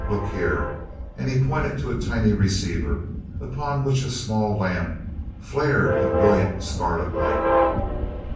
Look here," and he pointed to a tiny receiver, upon which a small lamp flared in brilliant scarlet light.